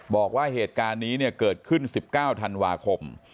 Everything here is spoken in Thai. บอกว่าเหตุการณ์นี้เกิดขึ้น๑๙ธันวาคม